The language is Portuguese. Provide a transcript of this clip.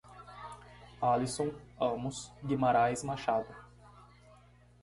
Alysson Amos Guimaraes Machado